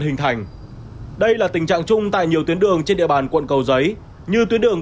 hình thành đây là tình trạng chung tại nhiều tuyến đường trên địa bàn quận cầu giấy như tuyến đường